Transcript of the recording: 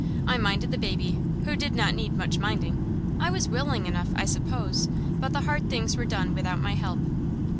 I minded the baby, who did not need much minding. I was willing enough, I suppose, but the hard things were done without my help.